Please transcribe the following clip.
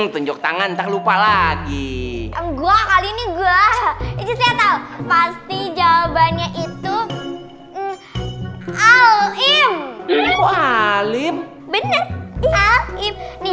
tunjuk tangan tak lupa lagi gua kali ini gua pasti jawabannya itu alim alim bener bener